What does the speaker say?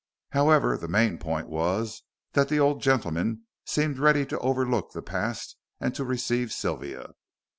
However, the main point was, that the old gentleman seemed ready to overlook the past and to receive Sylvia.